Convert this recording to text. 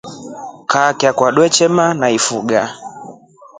Kaa kwakwa twedema naifuga.